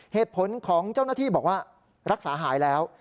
เหตุผลของเจ้าหน้าที่บอกว่ารักษาหายแล้ว